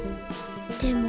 でも。